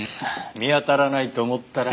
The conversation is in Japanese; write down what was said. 見当たらないと思ったら。